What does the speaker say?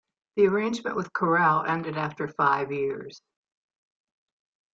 The arrangement with Corel ended after five years.